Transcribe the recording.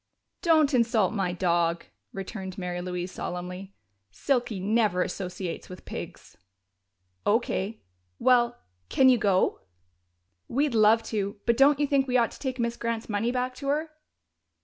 "Don't insult my dog!" returned Mary Louise solemnly. "Silky never associates with pigs!" "O.K.... Well, can you go?" "We'd love to, but don't you think we ought to take Miss Grant's money back to her?"